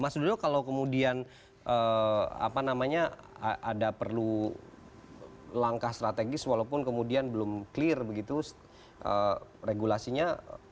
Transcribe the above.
mas dudung kalau kemudian ada perlu langkah strategis walaupun kemudian belum clear begitu regulasinya